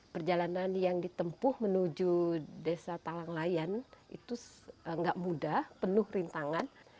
perjalanan yang ditempuh menuju desa talanglayan itu tidak mudah penuh rintangan